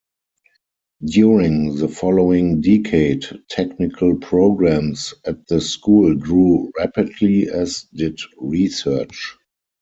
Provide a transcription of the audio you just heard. During the following decade, technical programs at the school grew rapidly, as did research.